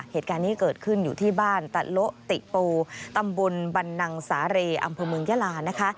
เหตุการณ์นี้เกิดขึ้นอยู่ที่บ้านตะโละติโปตำบลบันนังสาเรอำเภอเมืองยาลานะคะ